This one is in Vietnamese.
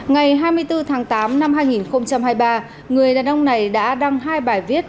ngày hai mươi bốn tháng tám năm hai nghìn hai mươi ba người đàn ông này đã đăng hai bài viết